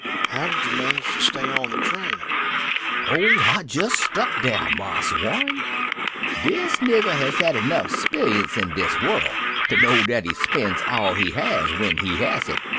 How did you manage to stay on the train?" "Oh, I jest stuck dere, Marse Warren. Dis nigger has had enough 'sperience in dis world to know dat he spends all he has w'en he has it.